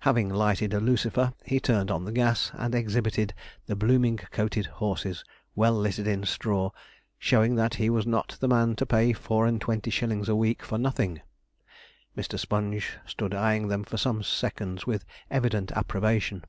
Having lighted a lucifer, he turned on the gas, and exhibited the blooming coated horses, well littered in straw, showing that he was not the man to pay four and twenty shillings a week for nothing. Mr. Sponge stood eyeing them for some seconds with evident approbation.